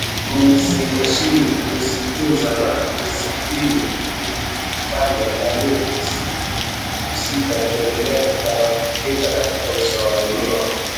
Kuziheshimu, kuzitunza na kuzitii kuliifanya jamii husika kuendelea kutambulika katika uso wa dunia